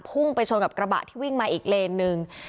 พุ่งไปชนกับกระบะที่วิ่งมาอีกเลนหนึ่ง